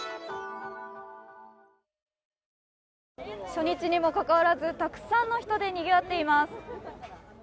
初日にもかかわらず、たくさんの人でにぎわっています。